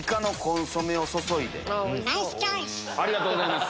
ありがとうございます。